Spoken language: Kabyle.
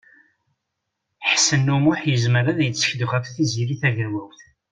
Ḥsen U Muḥ yezmer ad yettkel ɣef Tiziri Tagawawt.